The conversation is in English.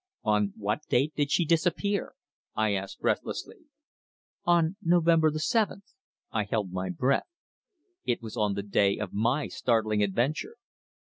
"On what date did she disappear?" I asked breathlessly. "On November the seventh." I held my breath. It was on the day of my startling adventure.